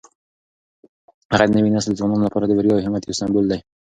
هغه د نوي نسل د ځوانانو لپاره د بریا او همت یو سمبول دی.